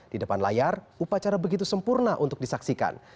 di depan layar upacara begitu sempurna untuk disaksikan